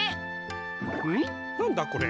なんだこれ。